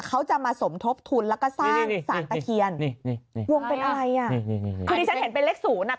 เขาจะมาสมทบทุนแล้วก็สร้างสะกะเคียน